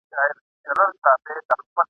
زه له بویه د باروتو ترهېدلی !.